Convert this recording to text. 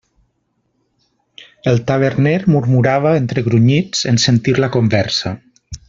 El taverner murmurava entre grunyits en sentir la conversa.